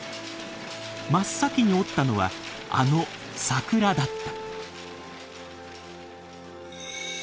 真っ先に織ったのはあの桜だった。